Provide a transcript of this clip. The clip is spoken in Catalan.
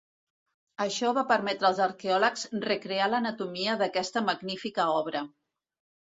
Això va permetre als arqueòlegs recrear l'anatomia d'aquesta magnífica obra.